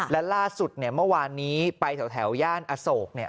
และล่าสุดเนี่ยเมื่อวานนี้ไปแถวย่านอโศกเนี่ย